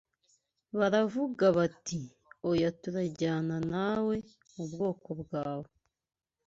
Baravuga bati oya Turajyana nawe mu bwoko bwawe.’